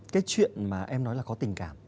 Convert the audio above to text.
cái chuyện mà em nói là có tình cảm